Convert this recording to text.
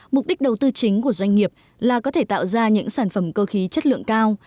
mục đích đầu tư chính của doanh nghiệp là có thể tạo ra những sản phẩm cơ khí chất lượng cao